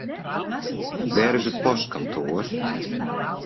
Wêr is it postkantoar?